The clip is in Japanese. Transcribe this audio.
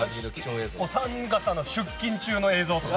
お三方の出勤中の映像とか。